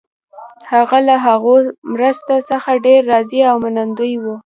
هغه له هغو مرستو څخه ډېر راضي او منندوی وو.